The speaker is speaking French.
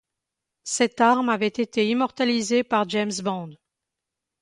Cette arme a été immortalisée par James Bond.